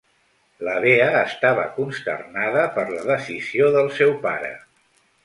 La Bea estava consternada per la decisió del seu pare.